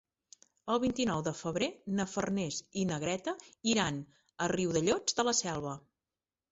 El vint-i-nou de febrer na Farners i na Greta iran a Riudellots de la Selva.